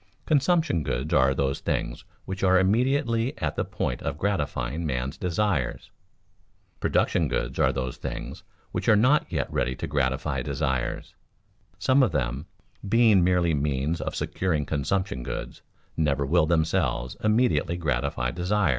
Consumption goods are those things which are immediately at the point of gratifying man's desires. Production goods are those things which are not yet ready to gratify desires; some of them, being merely means of securing consumption goods, never will themselves immediately gratify desire.